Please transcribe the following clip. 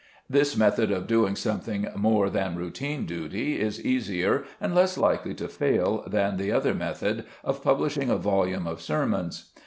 This method of doing something more than routine duty is easier and less likely to fail than the other method of publishing a volume of sermons.